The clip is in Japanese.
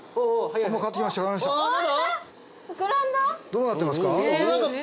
どうなってますか？